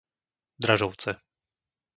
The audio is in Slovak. Dražovce